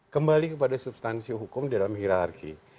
kembali kepada substansi hukum di dalam hirarki